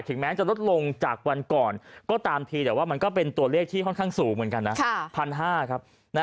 แม้จะลดลงจากวันก่อนก็ตามทีแต่ว่ามันก็เป็นตัวเลขที่ค่อนข้างสูงเหมือนกันนะ๑๕๐๐ครับ